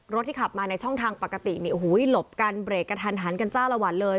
รถที่ขับมาในช่องทางปกติหลบกันเบรกกันทันกันจ้าละวันเลย